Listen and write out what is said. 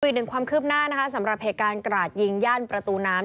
อีกหนึ่งความคืบหน้านะคะสำหรับเหตุการณ์กราดยิงย่านประตูน้ำ